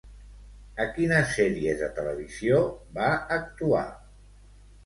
A quines sèries de televisió va actuar?